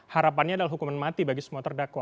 harapannya adalah hukuman mati bagi semua terdakwa